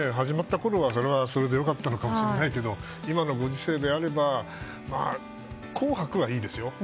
始まったころは、それはそれで良かったのかもしれないけど今のご時世であれば「紅白」はいいですよ。